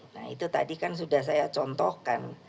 nah itu tadi kan sudah saya contohkan